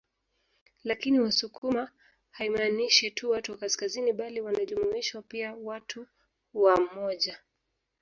Lakini Wasukuma haimaanishi tu watu wa kaskazini bali wanajumuishwa pia watu wa moja